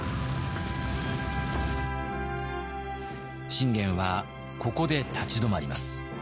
信玄はここで立ち止まります。